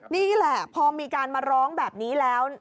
นี่แหละพอมีการมาร้องแบบนี้แล้ว